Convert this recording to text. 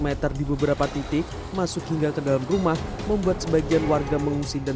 meter di beberapa titik masuk hingga ke dalam rumah membuat sebagian warga mengungsi dan